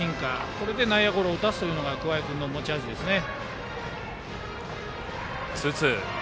これで内野ゴロを打たせるのが桑江君の持ち味ですね。